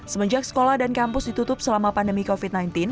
semenjak sekolah dan kampus ditutup selama pandemi covid sembilan belas